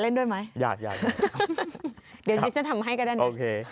สวัสดีครับ